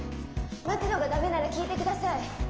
待つのが駄目なら聞いてください。